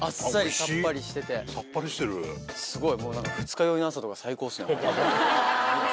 すごい。